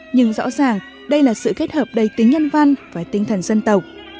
nhưng rõ ràng đây là sự kết hợp đầy tính nhân văn và tinh thần dân tộc